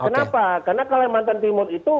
kenapa karena kalimantan timur itu